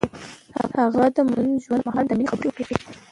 هغه د موزون ژوند پر مهال د مینې خبرې وکړې.